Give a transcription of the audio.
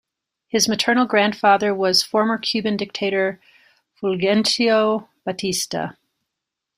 His maternal grandfather was former Cuban dictator Fulgencio Batista.